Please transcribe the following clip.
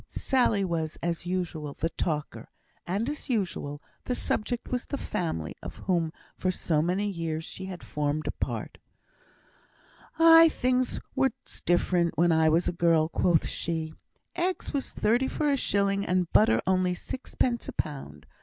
Sally was, as usual, the talker; and, as usual, the subject was the family of whom for so many years she had formed a part. "Aye! things was different when I was a girl," quoth she. "Eggs was thirty for a shilling, and butter only sixpence a pound.